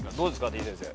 てぃ先生。